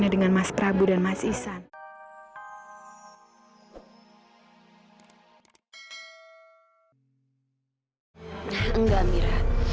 karena aku yang cengil